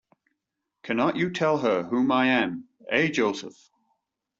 Cannot you tell her whom I am, eh, Joseph?